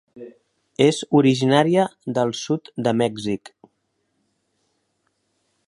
És originària del sud de Mèxic.